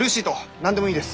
何でもいいです。